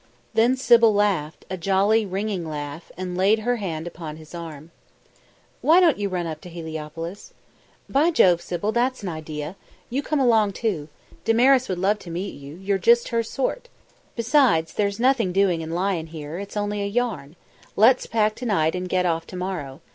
Then Sybil laughed, a jolly, ringing laugh, and laid her hand upon his arm. "Why don't you run up to Heliopolis?" "By jove, Sybil, that's an idea. You come along, too. Damaris would love to meet you; you're just her sort. Besides, there's nothing doing in lion here, it's only a yarn. Let's pack to night and get off to morrow.